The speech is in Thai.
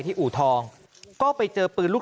อู่ทองก็ไปเจอปืนลูก